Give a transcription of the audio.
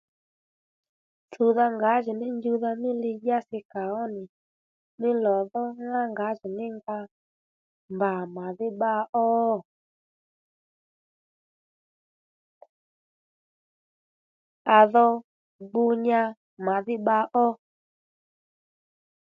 Tsùwdha ngǎjìní njuwdha mí lidyási kà ó nì mí lò dhó nà ŋá ngǎjì ní nga mbà màdhí bba ó à dho gbu nya màdhí bba ó